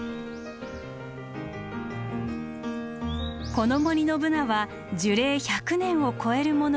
この森のブナは樹齢１００年を超えるものばかり。